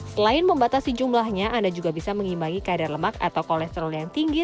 selain membatasi jumlahnya anda juga bisa mengimbangi kadar lemak atau kolesterol yang tinggi